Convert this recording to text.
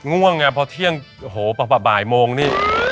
ง่วงไงเพราะเที่ยงโหประบายโมงนี่